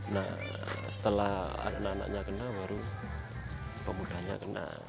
nah setelah anak anaknya kena baru pemudanya kena